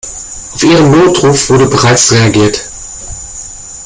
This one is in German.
Auf Ihren Notruf wurde bereits reagiert.